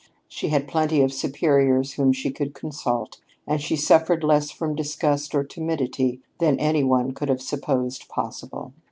She had plenty of superiors whom she could consult, and she suffered less from disgust or timidity than any one could have supposed possible.